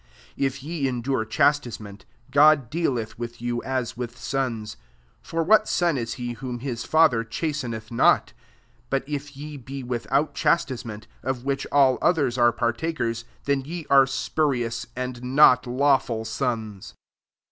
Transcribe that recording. '' 7 If ye endure chastisement, God dcaleth with you as with sous : for what son is he whom Mm father chasten cth not? 8 But if ye be without chastisement, of which all oihera are partakers, then ye arc spu rious, and not lawful sons.